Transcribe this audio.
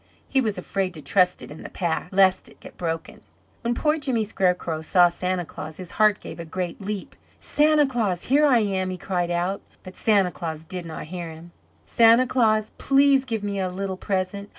He was afraid to trust it in the pack, lest it get broken. When poor Jimmy Scarecrow saw Santa Claus his heart gave a great leap. "Santa Claus! Here I am!" he cried out, but Santa Claus did not hear him. "Santa Claus, please give me a little present.